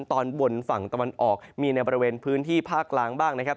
ตอนบนฝั่งตะวันออกมีในบริเวณพื้นที่ภาคกลางบ้างนะครับ